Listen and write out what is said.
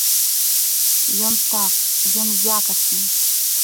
Ён так, ён якасны.